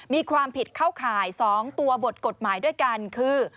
มีความผิดเข้าข่าย๒ตัวบทกฎหมายด้วยกันคือ